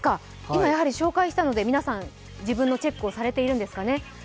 今、紹介したので皆さん自分のチェックをされているんでしょうかね。